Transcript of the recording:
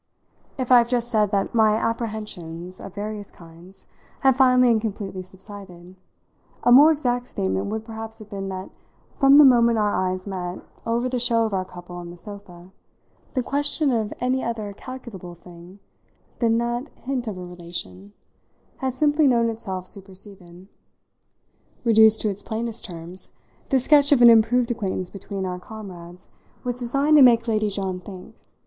If I have just said that my apprehensions, of various kinds, had finally and completely subsided, a more exact statement would perhaps have been that from the moment our eyes met over the show of our couple on the sofa, the question of any other calculable thing than that hint of a relation had simply known itself superseded. Reduced to its plainest terms, this sketch of an improved acquaintance between our comrades was designed to make Lady John think.